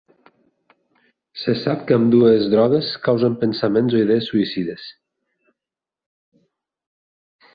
Se sap que ambdues drogues causen pensaments o idees suïcides.